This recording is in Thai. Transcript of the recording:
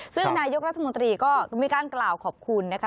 ซึ่งนายกรัฐมนตรีก็มีการกล่าวขอบคุณนะคะ